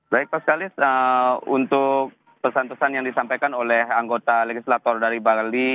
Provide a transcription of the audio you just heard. baik pak skalis untuk pesan pesan yang disampaikan oleh anggota legislator dari bali